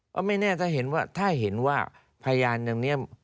อก็ไม่แน่ถ้าเห็นว่าพยานอย่างนี้